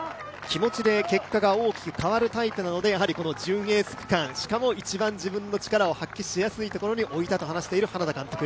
気持ちで結果が大きく変わるタイプなので、この準エース区間一番力を発揮しやすい区間に置いたという花田監督。